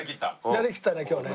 やりきったね今日ね。